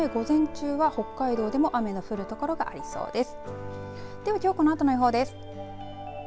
このため午前中は北海道でも雨の降る所がありそうです。